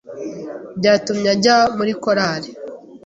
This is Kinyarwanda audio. Byatumye ajya muri Korali